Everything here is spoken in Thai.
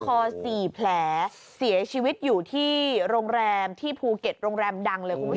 คอ๔แผลเสียชีวิตอยู่ที่โรงแรมที่ภูเก็ตโรงแรมดังเลยคุณผู้ชม